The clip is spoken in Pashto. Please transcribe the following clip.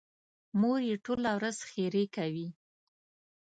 مور یې ټوله ورځ ښېرې کوي.